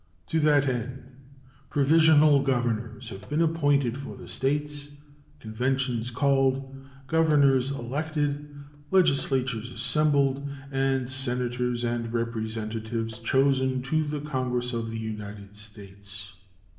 To that end provisional governors have been appointed for the States, conventions called, governors elected, legislatures assembled, and Senators and Representatives chosen to the Congress of the United States.